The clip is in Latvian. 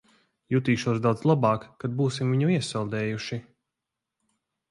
Jutīšos daudz labāk, kad būsim viņu iesaldējuši.